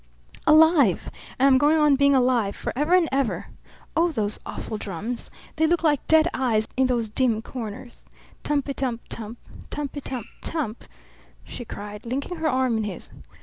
"Alive! And I'm going on being alive, forever and ever! Oh, those awful drums! They look like dead eyes in those dim corners. Tumpitum tump! Tumpitum tump!" she cried, linking her arm in his.